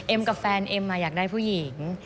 กับแฟนเอ็มอยากได้ผู้หญิง